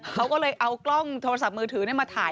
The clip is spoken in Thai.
เขาก็เลยเอากล้องโทรศัพท์มือถือมาถ่าย